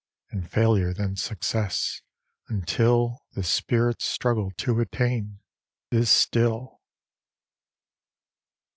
And failure than success! until The spirit's struggle to attain Is still!